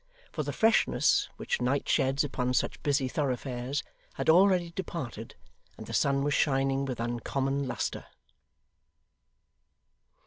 For the freshness which night sheds upon such busy thoroughfares had already departed, and the sun was shining with uncommon lustre.